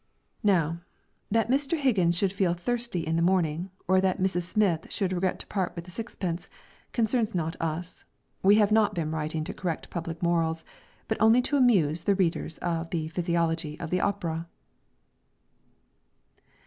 Now, that Mr. Higgins should feel thirsty in the morning, or that Mrs. Smith should regret to part with a sixpence, concerns not us; we have not been writing to correct public morals, but only to amuse the readers of THE PHYSIOLOGY OF THE OPERA.